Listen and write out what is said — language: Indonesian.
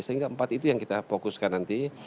sehingga empat itu yang kita fokuskan nanti